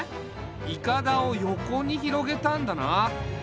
いかだを横に広げたんだな。